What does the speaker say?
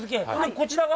こちらは？